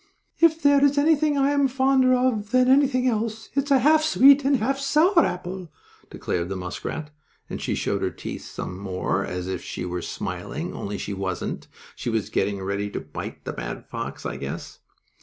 "If there is anything I am fonder of than anything else it's a half sweet and a half sour apple," declared the muskrat, and she showed her teeth some more, as if she were smiling, only she wasn't. She was getting ready to bite the bad fox, I guess.